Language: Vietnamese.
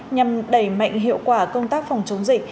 nhằm đẩy mạnh hiệu quả công tác phòng chống dịch